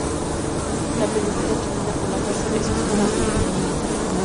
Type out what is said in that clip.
La película termina con la frase "¡Eso es todo amigos!